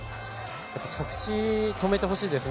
着地を止めてほしいです。